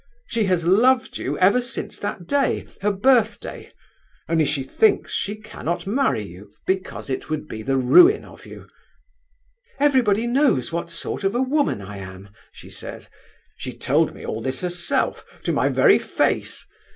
She has loved you ever since that day, her birthday! Only she thinks she cannot marry you, because it would be the ruin of you. 'Everybody knows what sort of a woman I am,' she says. She told me all this herself, to my very face!